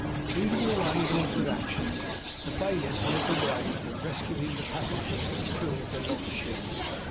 Leading the way in all good actions, the bailiff led the way in rescuing the passengers and crew of the lost ship.